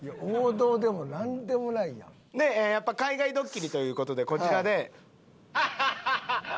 王道でもなんでもないよ。やっぱ海外ドッキリという事でこちらで。